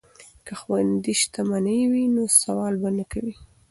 که خویندې شتمنې وي نو سوال به نه کوي.